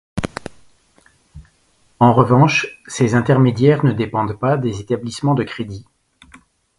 En revanche, ces intermédiaires ne dépendent pas des établissements de crédit.